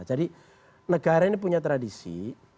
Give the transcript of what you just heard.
jadi negara ini punya tradisi